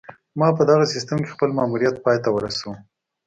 ما په دغه سیستم کې خپل ماموریت پای ته ورسوو